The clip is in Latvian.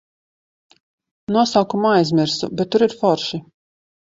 Nosaukumu aizmirsu, bet tur ir forši.